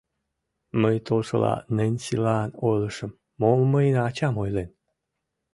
Мый толшыла Ненсилан ойлышым, мом мыйын ачам ойлен...